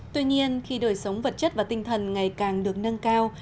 tuy nhiên khi đời sống vật chất và tinh thần ngày càng được nâng cao